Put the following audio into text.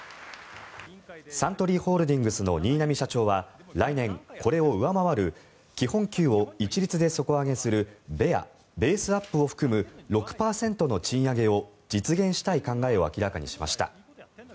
サントリーホールディングスの新浪社長は来年、これを上回る基本給を一律で底上げするベア・ベースアップを含む６％の賃上げを実現したい考えを明らかにしました。